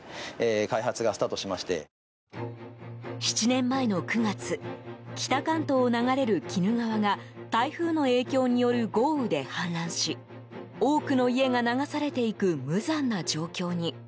７年前の９月北関東を流れる鬼怒川が台風の影響による豪雨で氾濫し多くの家が流されていく無残な状況に。